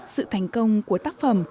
sự thành công của tác phẩm